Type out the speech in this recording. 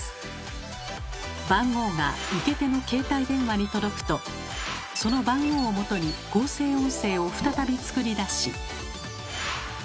番号が受け手の携帯電話に届くとその番号をもとに合成音声を再び作り出し。